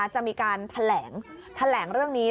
จะมีการแถลงเรื่องนี้